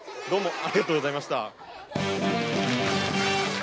どうも！